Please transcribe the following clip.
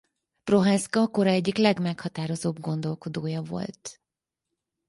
Prohászka kora egyik legmeghatározóbb gondolkodója volt.